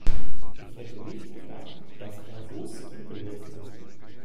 Ich hätte nicht gedacht, dass er so skrupellos ist.